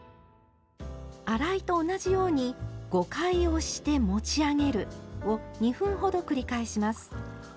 洗いと同じように「５回押して持ち上げる」を２分ほど繰り返します。